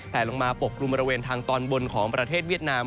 ลงมาปกกลุ่มบริเวณทางตอนบนของประเทศเวียดนาม